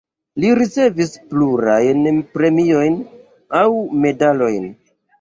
Li ricevis plurajn premiojn aŭ medalojn.